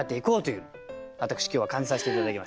私今日は感じさせて頂きました。